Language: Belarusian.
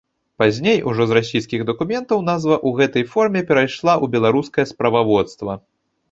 Пазней, ужо з расійскіх дакументаў, назва ў гэтай форме перайшла ў беларускае справаводства.